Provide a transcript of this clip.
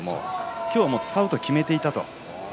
今日は使うと決めていたと。